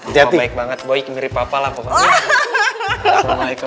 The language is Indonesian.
oh baik banget boy mirip papa lah pak